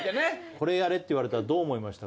これやれって言われてどう思いました？